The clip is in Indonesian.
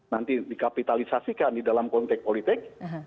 nanti dikapitalisasikan di dalam konteks politik